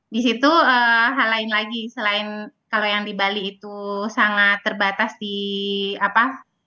di situ hal lain lagi selain kalau yang di bali itu sangat terbatas di apa